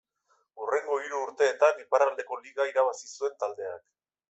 Hurrengo hiru urteetan iparraldeko liga irabazi zuen taldeak.